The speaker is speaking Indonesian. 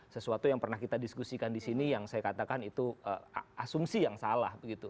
sesuatu yang pernah kita diskusikan di sini yang saya katakan itu asumsi yang salah